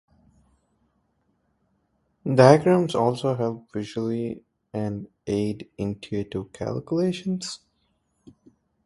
Diagrams also help visually and aid intuitive calculations.